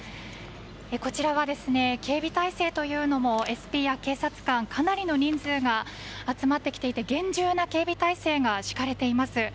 こちらは警備態勢というのもＳＰや警察官かなりの人数が集まってきていて厳重な警備態勢が敷かれています。